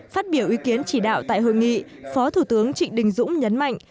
phát biểu ý kiến chỉ đạo tại hội nghị phó thủ tướng trịnh đình dũng nhấn mạnh